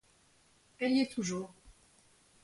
Elle y est toujours.